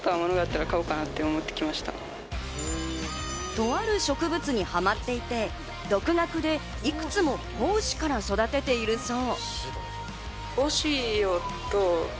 とある植物にハマっていて、独学でいくつも胞子から育てているそう。